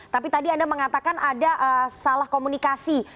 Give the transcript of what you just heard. tapi tadi anda mengatakan ada salah komunikasi